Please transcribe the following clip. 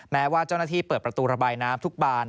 แม้ว่าเจ้าหน้าที่เปิดประตูระบายน้ำทุกบาน